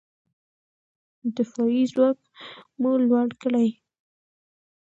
دفاعي ځواک مو لوړ کړئ.